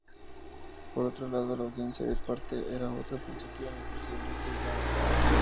Por otro lado, la audiencia de parte era otro principio en el procedimiento indiano.